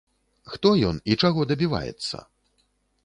Хто ён і чаго дабіваецца?